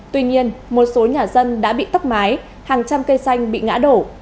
tuy nhiên một số nhà dân đã bị tốc mái hàng trăm cây xanh bị ngã đổ